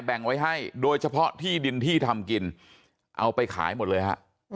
แบ่งไว้ให้โดยเฉพาะที่ดินที่ทำกินเอาไปขายหมดเลยฮะ